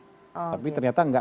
tapi ternyata enggak